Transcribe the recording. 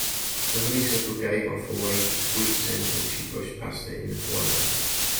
The honeysuckle gave off a wave of sweet scent as she brushed past it in the twilight.